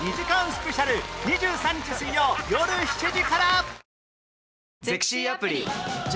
スペシャル２３日水曜よる７時から！